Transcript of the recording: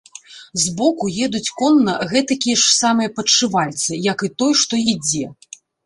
Збоку едуць конна гэтакія ж самыя падшывальцы як і той, што ідзе.